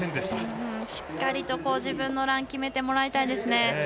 しっかりと自分のランを決めてもらいたいですね。